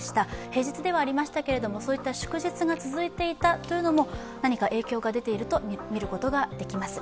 平日ではありましたけれども祝日が続いていたというのも何か影響が出ていると見ることができます。